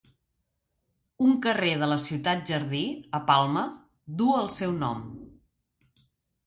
Un carrer de la Ciutat Jardí, a Palma, duu el seu nom.